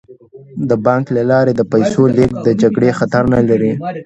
د بانک له لارې د پیسو لیږد د جګړې خطر نه لري.